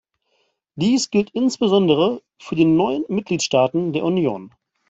Dies gilt insbesondere für die neuen Mitgliedstaaten der Union.